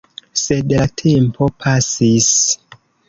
Sed la tempo pasis.